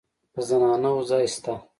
د زنانه وو ځای شته.